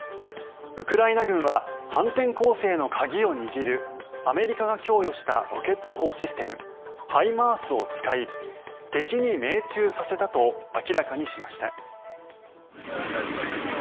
ウクライナ軍は反転攻勢の鍵を握るアメリカが供与したロケット砲システムＨＩＭＡＲＳを使い敵に命中させたと明らかにしました。